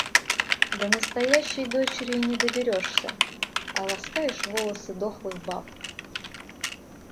До настоящей дочери и не доберешься, а ласкаешь волосы дохлых баб.